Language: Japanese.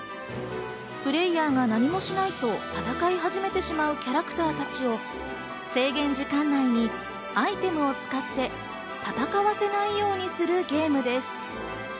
プレーヤーが何もしないと戦い始めてしまうキャラクター達を、制限時間内にアイテムを使って戦わせないようにするゲームです。